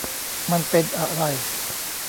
มันเป็นอะไร